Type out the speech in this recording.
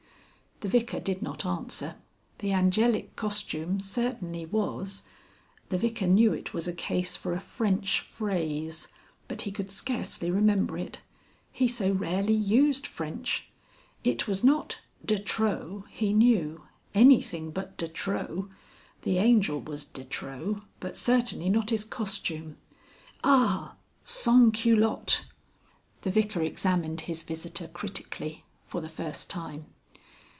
The Vicar did not answer. The angelic costume certainly was the Vicar knew it was a case for a French phrase but he could scarcely remember it. He so rarely used French. It was not de trop, he knew. Anything but de trop. The Angel was de trop, but certainly not his costume. Ah! Sans culotte! The Vicar examined his visitor critically for the first time.